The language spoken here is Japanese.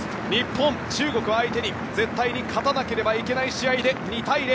日本、中国相手に絶対に勝たなければいけない試合で２対０。